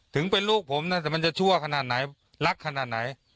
ถึงเป็นลูกผมนะแต่มันจะชั่วขนาดไหนรักขนาดไหน